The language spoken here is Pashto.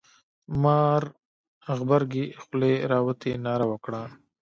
مار غبرگې خولې را وتې ناره وکړه.